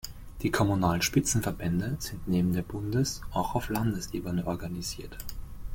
Die kommunalen Spitzenverbände sind neben der Bundes- auch auf Landesebene organisiert.